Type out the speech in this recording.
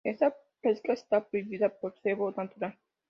Esta pesca está prohibida con cebo natural.